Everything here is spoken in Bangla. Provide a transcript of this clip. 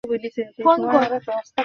সেটার কথাই তো বলছি আমি।